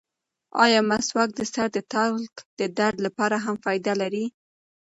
ایا مسواک د سر د تالک د درد لپاره هم فایده لري؟